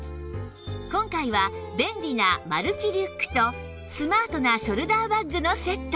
今回は便利なマルチリュックとスマートなショルダーバッグのセット